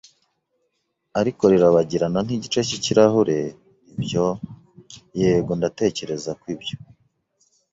ariko rirabagirana nk'igice cy'ikirahure. “Ibyo? Yego, ndatekereza ko ibyo